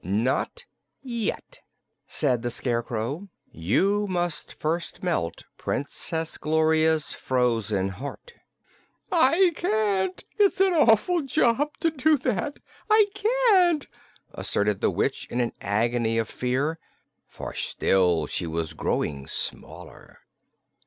"Not yet," said the Scarecrow. "You must first melt Princess Gloria's frozen heart." "I can't; it's an awful job to do that! I can't," asserted the witch, in an agony of fear for still she was growing smaller.